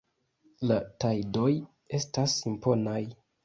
La tajdoj estas imponaj.